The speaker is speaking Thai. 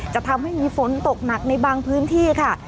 จะทำให้มีฝนตกหนักในบางพื้นที่ค่ะ